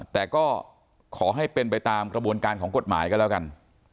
แต่ก็ขอให้เป็นไปตามกระบวนการของกฎหมายก็แล้วกัน